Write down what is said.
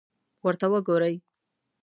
ورته وګورئ!